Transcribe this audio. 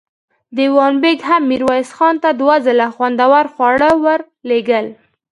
دېوان بېګ هم ميرويس خان ته دوه ځله خوندور خواړه ور لېږل.